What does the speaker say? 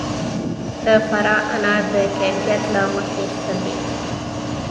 د فراه انار د کیفیت له مخې ښه دي.